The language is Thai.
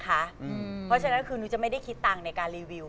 เพราะฉะนั้นคือนุ้ยจะไม่ได้คิดตังค์ในการรีวิว